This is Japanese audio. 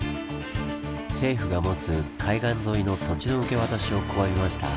政府が持つ海岸沿いの土地の受け渡しを拒みました。